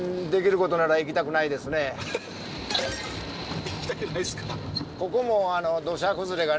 雨の行きたくないですか。